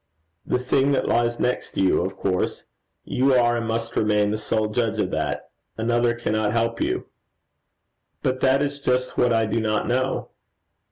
'The thing that lies next you, of course. You are, and must remain, the sole judge of that. Another cannot help you.' 'But that is just what I do not know.'